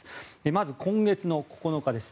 まず今月９日です。